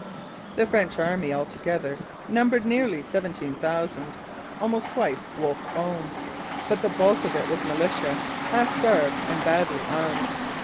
The French army, all together, numbered nearly seventeen thousand, almost twice Wolfe's own; but the bulk of it was militia, half starved and badly armed.